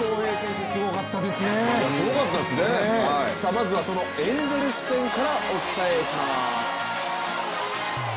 まずはそのエンゼルス戦からお伝えします。